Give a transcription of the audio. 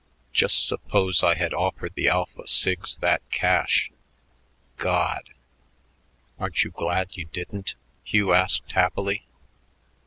"Just suppose I had offered the Alpha Sigs that cash. God!" "Aren't you glad you didn't?" Hugh asked happily.